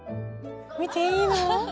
見ていいの？